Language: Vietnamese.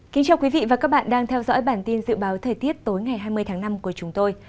chào mừng quý vị đến với bản tin dự báo thời tiết tối ngày hai mươi tháng năm của chúng tôi